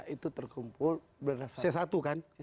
itu terkumpul berdasarkan data yang kita miliki